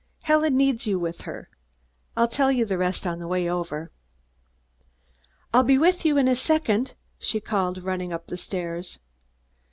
Helen needs you with her. I'll tell you the rest on the way over." "I'll be with you in a second," she called, running up stairs.